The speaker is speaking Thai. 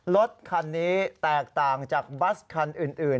รถคันนี้แตกต่างจากบัสคันอื่น